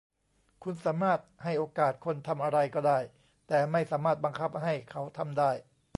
คุณสามารถให้โอกาสคนทำอะไรก็ได้ แต่ไม่สามารถบังคับให้เขาทำได้